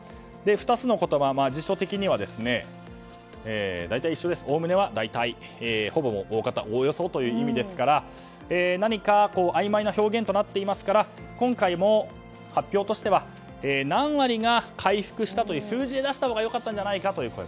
２つの言葉、辞書的には「おおむね」は大体「ほぼ」も大方、おおよそという意味ですから何かあいまいな表現となっていますから今回も発表としては何割が回復したという数字で出したほうが良かったのではないかと。